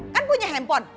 kan punya handphone